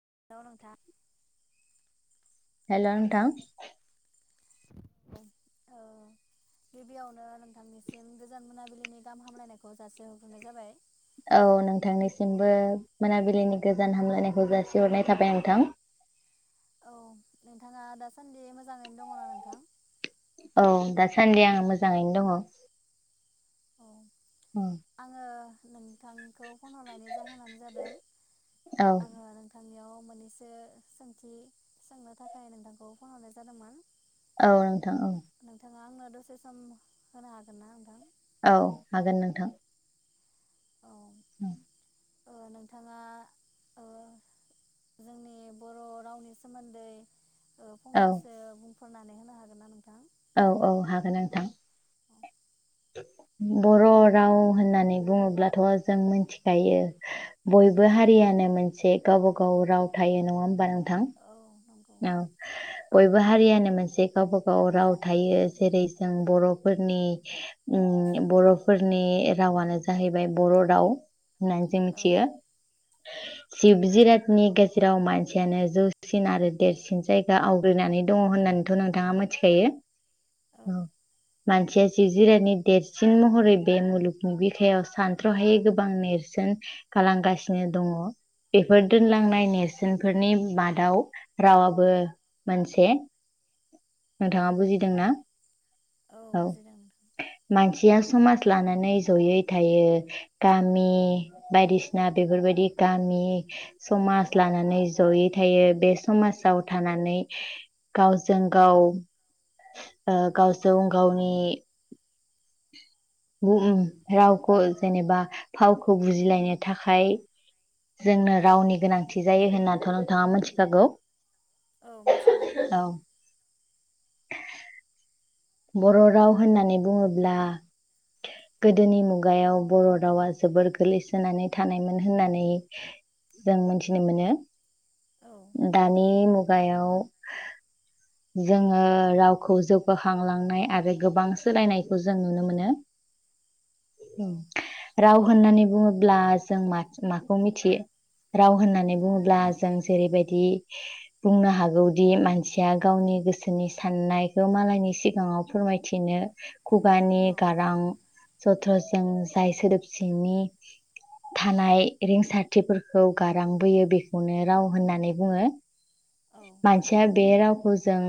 [unintelligible] हेल' नोंथां औ गिबियावनो नोंथांनिसिम गोजोन मोनाबिलिनि गाहाम हामलायनायखौ जासे होग्रोनाय जाबाय। औ नोंथांनिसिमबो मोनाबिलिनि गोजान हामलायनायखौ जासिहरनाय थाबाय नोंथां। औ नोंथाङा दासान्दि मोजाङैनो दङ' ना नोंथां औ दासान्दि आं मोजाङैनो दङ'। औ उम, आङो नों थांखौ फन हरनायनि जाहोनानो जादों औ आङो नोंथां नियाव मोननैसो सोंथि सोंनो थाखाय नोंथांखौ फन हरनाय जादोंमोन। औ नोंथां औ। नोंथाङा आंनो दसे सम होनो हागोन ना नोंथां? औ हागोन नोंथां। औ ओं औ नोंथाङा ओ जोंनि बर' रावनि सोमोन्दै ओ औ फंनैसो बुं फोरनानै होनो हागोन ना नोंथां? औ औ हागोन नोंथां। औ बर' राव होननानै बुङोब्लाथ' जों मिथिखायो औ बयबो हारियानो मोनसे गावबागाव राव थायो नङा होमबा नोंथां? औ नंगौ औ बयबो हारियानो मोनसे गावबागाव राव थायो जेरै जों बर'फोरनि उम बर'फोरनि रावानो जाहैबाय बर' राव। नानै जों औ मिथियो। जिब जिरातनि गेजेराव मानसियानो जौसिन आरो। देरसिन जायगा आवग्रिनानै दङ होननानैथ' नोंथाङा मिथिखायो। औ मानसिया जिब जिरातनि देरसिन महरै बे मुलुगनि बिखायाव सानथ्र'हायै गोबां नेरसोन खालामगासिनो दङ। बेफोर औ दोनलांनाय नेरसोन फोरनि मादाव रावाबो मोनसे। औ नोंथाङा बुजिदों ना? औ बुजिदों नोंथां मानसि या समाज लानानै ज'यै थायो गामि बायदिसिना बेफोरबायदि गामि समाज लानानै ज'यै थायो बे समाजाव थानानै गावजों गाव ओ गावजों गावनि नि उम रावखौ जेनेबा फावखौ बुजिलायनो थाखाय जोंनो औ रावनि गोनांथि जायो होनना थ नोंथाङा मोनथिखागौ औ मिथिगौ औ। बर' राव होननानै बुङोब्ला गोदोनि मुगायाव बर' रावा जोबोर गोलैसोनानै थानायमोन होननानै जों मोनथिनो मोनो। औ दानि गायाव जोङो रावखौ जौगा खांलांनाय आरो गोबां सोलायनायखौ जों नुनो मोनो। औ राव होननानै बुङोब्ला जों मा-माखौ मिथियो? राव होननानै बुङोब्ला जों जेरैबायदि बुंनो हागौदि मानसिया गावनि गोसोनि साननायखौ मालायनि सिगाङाव फोरमायथिनो खुगानि औ गारां जथ्रजों जाय सोदोबसिनि थानाय रिंसारथिफोरखौ गारांबोयो बेखौनो राव होननानै बुङो औ मानसिया बेे राव जों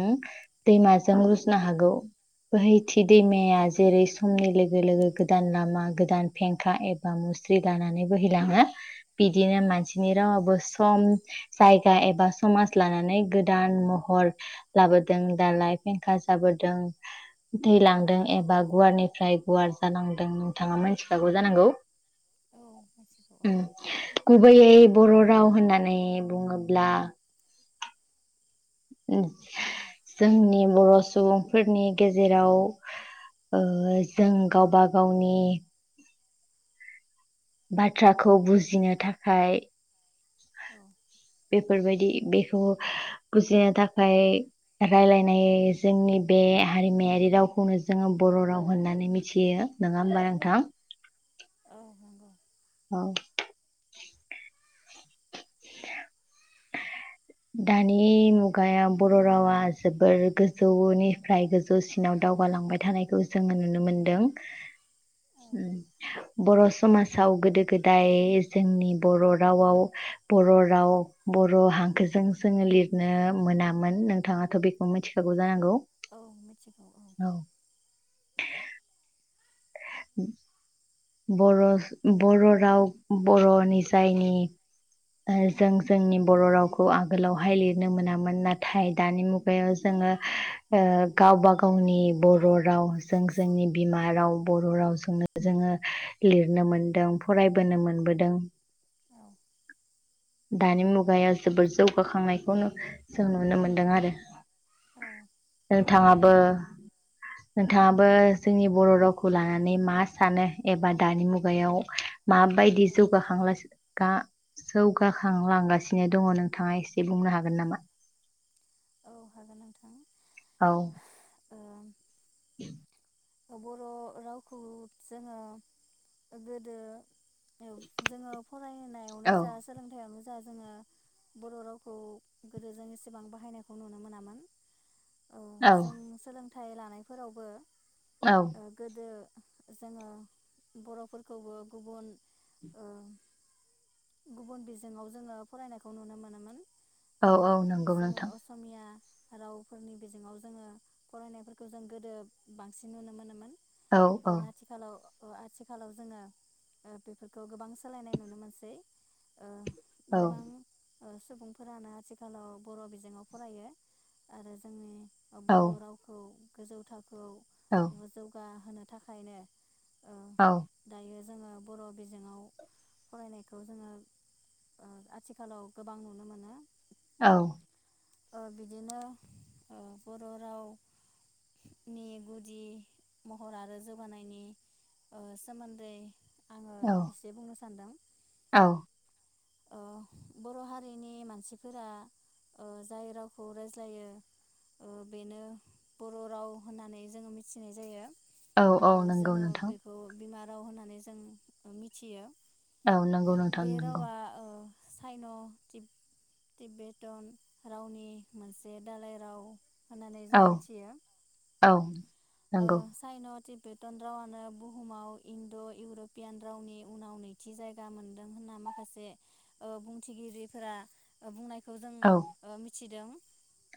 दैमाजों रुजनो हागोन गौ बोहैथि दैमाया जेरै समनि लोगो लोगो गोदान लामा गोदान फेंखा एबा मुस्रि लानानै बोहैलाङो बिदिनो औ मानसिनि रावाबोस सम जायगा एबा समाज लानानै गोदान महर लाबोदों दालाइ फेंखा जाबोद दों दै औ लांदों एबा गुवारनिफ्राय गुवार जालांदों नोंथाङा मिथिखागौ जानांगौ मिथिगौ औ उम गुबैयै बर' राव होननानै बुङोब्ला ओ जोंनि बर' सुबुंफोरनि गेजेराव ओ जों गावबा गावनि औ बाथ्राखौ बुजिनो थाखाय औ बेफोरबायदि बेखौ बुजिनो थाखाय रायलायनाय जोंनि बे हारिमायारि रावखौनो जोङो बर' राव होननानै मिथियो नङा होमबा नोंथां औ नंगौ औ दानि मुगायाव बर' रावा जोबोर गोजौनिफ्राय गोजौसिनाव दावगालांबाय थानायखौ जोङो नुनो मोनदों औ ओ बर' समाजाव गोदो गोदाय जोंनि बर' रावाव बर' राव बर' हांखोजों जोङो लिरनो मोनामोन नोंथाङाथ' बेखौ मिथिखागौ जानांगौ औ मिथिगौ औ [unintelligible] बर' बर' राव बर' नि जायनि ओ जों जोंनि बर' रावखौ आगोलावहाय लिरनो मोनामोन नाथाय दानि मुगायाव जोङो ओ गावबा गावनि बर' राव जों जोंनि बिमा राव बर' रावजोंनो जोङो लिरनो मोनदों फरायबोनो मोनबोदों औ दानि मुगायाव जोबोद जौगाखांनायखौनो जों नुनो मोनदों आरो औ नोंथाङाबो नोंथाङाबो जोंनि बर' रावखौ लानानै मा सानो एबा दानि मुगायाव माबायदि जौगाखांला गा जौ खां लांगासिनो दङ नोंथाङा एसे बुंनो हागोन नामा औ हागोन नोंथां औ [inaudible] बर' रावखौ जोङो गोदो जोङो फरायनायावनो औ जा सोलोंथायाइयावनो दा जोङो बर' रावखौ गोदो जों एसेबां बाहायनायखौ नुनो मोनामोन औ जों सोलों थाइ लानायफोरावबो औ ओ गोदो जोङो बर'फोरखौबो गुबुन ओ गुबुन बिजोङाव जोङो फरायनायखौ नुनो मोनोमोन औ ओ औ नंगौ जोङो नोंथां असमिया रावफोरनि बिजोङाव जोङो फरायनायफोरखौ जों गोदो बा सिन नुनो मोनोमोन औ ओ औ नाथिखालाव ओ आथिखालाव जोङो ओ बेफोरखौ गोबां सोलायनाय नुनो मोनसै औ गोबां ओ सुबुंफोरानो आथिखालाव बर' बिजोङाव फरायो आरो जोंनि औ बर' रावखौ गोजौ थाखोआव औ ओ जौगा होनो थाखायनो ओ औ दायो जोङो बर बिजोाव फरायनायखौ जोङो ओ आथिखालाव गोबां नुनो मोनो औ ओ बिदिनो ओ बर रावनि गु दि महर आरो जौगानायनि ओ सोमोन्दै आङो एसे बुंनो सान्दों औ ओ बर हारिनि मानसिफोरा ओ जाय रावखौ रायज्लायो ओ बेनो बर राव होननानै जोङो मिथिनाय जायो औ औ ओ नंगौ जोङो नोंथां बेखौ बिमा राव होननानै जों मिथियो औ नंगौ नोंथां नोंगौ साइन तिब तिबेतन रावनि मोनसे दाालाय राव होननानै जों औ मिथियो औ ओ नंगौ सायना तिब बेटन रावनो बुहुमाव इण्ड इउरपियान रावनि उनाव नैथि जायगा मोनदों होनना माखासे ओ बुंथिगिरिफोरा बुंनाय खौ जों औ ओ मिथिदों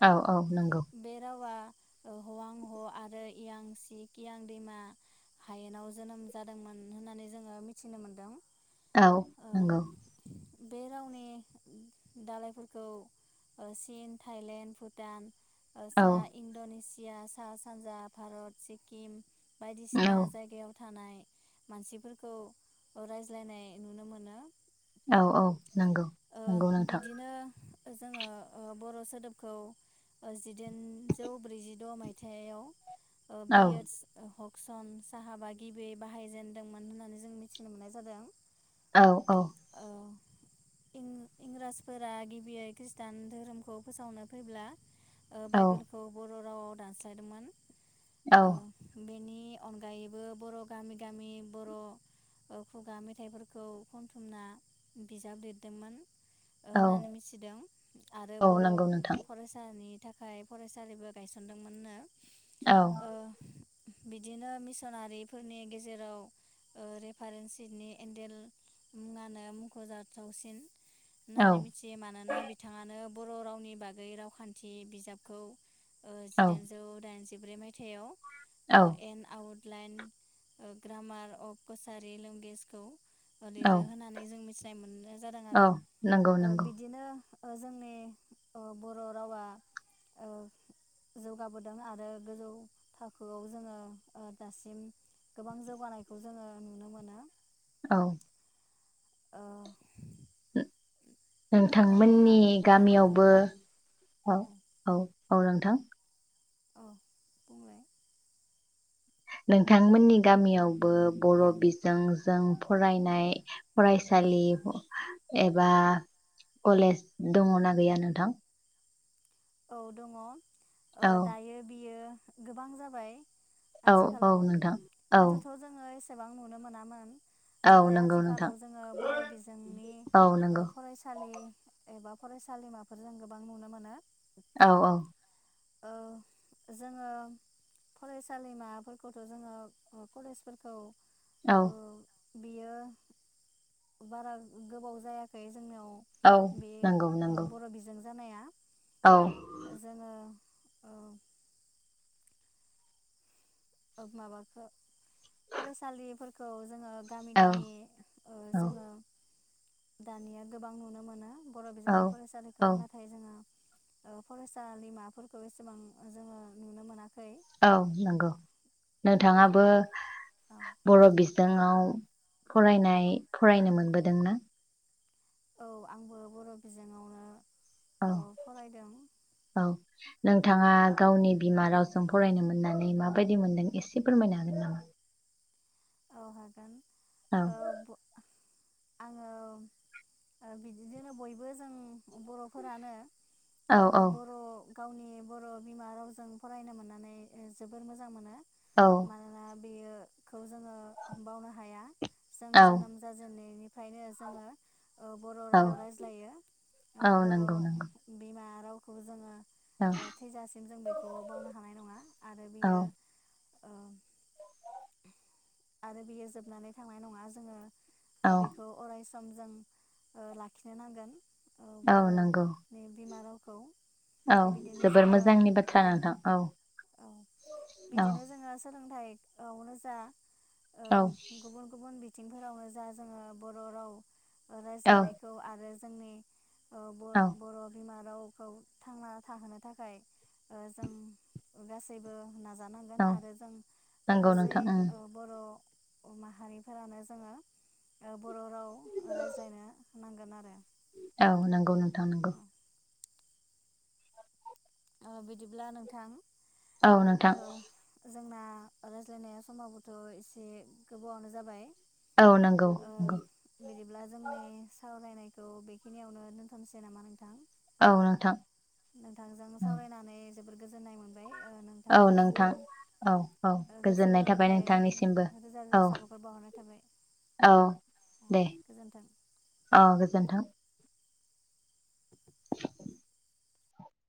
औ औ नोंगौ बे रावा हवां ह आरो इयां सि कियां दैमा हायेनाव जोनोम जादोंमोन होननानै जोङो मिथिनो मोनदों। औ ओ नेंगौ बे रावनि दालायफोरखौ चिन थाइलेण्ड भुटान औ सा इण्डनेसिया सिया साहा सानजा भारत सिक्किम औ बायदिसिना जायगायाव थानाय मानसिफोरखौ रायज्लायनाय नुनो मोनो औ औ नंगौ ओ नंगौ नोंथां बिदिनो जोङो ओ बर सोदोबखौ जिदाइनजौ ब्रैजिद मायथाइयाव औ बियेडस हक्सन साहाबा गिबियै बाहायजेनदोंमोन होननानै जों मिथिनो मोननाय जादों। औ औ इं इंराजफोरा गिबियै खृष्टान धोरोमखौ फोसावनो फैब्ला ओ औ बाइबेलखौ बर रावाव दानस्लायदोंमोन औ ओ बेनि नि अनगायैबो बर गामि गामि बर ओ खुगा मेथाइफोरखौ खनथुमना बिजाब लिरदोंमोन ओ औ होननानै मिथिदों आरो औ बर नंगौ नोंथां फरायसानि नि थाखाय फरायसालिबो गायसनदोंमोननो। औ। ओ बिदिनो मिसनारिफोरनि गेजेराव ओ रेफारेन्सिनि एन्डेल मुङानो मुंख जाथावसिन। औ होननानै मिथियो मानोना बिथाङानो बर रावनि बागै रावखान्थि बिजाबखौ ओ औ जिदाइनजौ दाइन जिब्रै मायथाइयाव ओ औ एन आउट लाइन ओ ग्रामार अफ कसारि लेंगुवेजखौ ओ औ लिरो होननानै जों मिथि जादों औ आरो नंगौ ओ नंगौ बिदिनो ओ जोंनि ओ बर रावआ ओ जौगाबोदों आरो गोजौ थाखोआव जोङो ओ दासिम गोबां जौगानायखौ जोङो नुनो मोना। औ। ओ नोंथाङा नो-नोंथांमोननि आरो गामियावबो औ औ। औ नोंथां। औ बुंलाय नोंथांमोननि गामियावबो बर बिजोंजों फरायनाय औ फरायसालि एबा कलेज दङना गैया नोंथां? औ दङ। ओ औ दायो बियो गोबां जाबाय औ औ आथिखालाव नोंथां औ गोदोथ जोङो एस सेबां नुनो मोनामोन। औ नाथाय नंगौ नोंथां आथिखालाव जोङो बर बिजोंनि औ नंगौ ओ फरायसालि एबा फरायसालिमाफोर जों गोबां नुनो मोनो। औ औ। ओ जोङो फरायसालिमाफोरखौथ जोङो कलेजफोरखौ औ। ओ बियो बारा गोबाव जायाखै जोंनियाव औ बे नंगौ ओ नंगौ। बर' बिजों जानाया औ। जोङो ओ माबाखो फरायसालिफोरखौ जोङो गामि औ गामि ओ औ जोङो दानिया गोबां नुनो मोना बर' औ बिजोंनि फरायसालिखौ औ नाथाय जोङो ओ फरायसालिमाफोरखौ एसेबां जोङो नुनो मोनाखै। औ नंगौ नोंथाङाबो बर' बिजो बिजोंङाव फरायनाय फरायनो मोनबोदोंना? औ आंबो बर' बिजोङावनो औ ओ फरायदों औ। नोंथाङा गावनि बिमा रावजों फरायनो मोननाय माबायदि मोनदों एसे फोरमायनो हागोन नामा? औ हागोन। औ। ओ आङो ओ बिदिजोंनो बयबो जों बर'फोरानो अ औ औ बर' गावनि बर' बिमा रावजों फरायनो मोननानै जोबोर मोजां मोनो। औ मानोना बेयो खौ जोङो बावनो हाया जों औ जोनोम जाजेननायनि ओमफ्रायनो जोङो ओ बर' औ राव रायज्लायो औ बर' नंगौ नंगौ बिमा रावखौबो जोङो औ ओ थैजासिम जों बेखौ बावनो हानाय नङा आरो औ बियो ओ आरो बियो जोबनानै थांनाय नङा जोङो औ ओ बेखौ अराय सम जों ओ लाखिनो नांगोन। ओ औ नंगौ बर'नि बिमा राव खौ। औ बिदिनो जोबोर जोङो मोजांनि बाथ्रा ओ नोंथां औ औ औ बिदिनो जोङो सोलोंथाइआवनो जा औ। थिंफोरावनो जा जोङो बर' राव। ओ औ रायज्लायनायखौ आरो जोंनि। ओ ब औ बर'बिमा रावखौ थांना थाहोनो थाखाय ओ जों गासैबो। नाजानांगोन औ आरो जों ओ नंगौ गासै। नोंथां उम बर'अ माहारिफोरानो जोङो ओ बर' राव रायज्लायनो। नांगोन आरो। औ नंगौ नोंथां नंगौ। ओ बिदिब्ला नोंथां। औ नोंथां। ओ जोंना रायज्लायनाया समावबोथ' एसे गोबावानो जाबाय। औ नंगौ ओ नंगौ बिदिब्ला जोंनि सावरायनाय खौ बेखिनियावनो दोनथ'नोसै नामा नोंथां? औ नोंथां। नोंथांजों औ सावरायनानै। जोबोर गोजोननाय मोनबाय। ओ औ नोंथां नोंथांनिसिम औ औ ओ गोसो गोजोननाय थाबाय गोरबोनिफ्राय नोंथांनिसिमबो रोजा औ रोजा साबायखर बावहरनाय थाबाय औ दे गोजोन्थों। औ गोजोनथों।